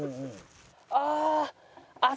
ああ。